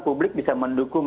publik bisa mendukung